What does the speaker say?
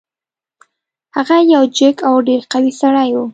هغه یو جګ او ډیر قوي سړی و.